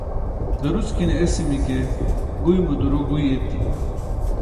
daruckine esimi ke guymo duro guyi eti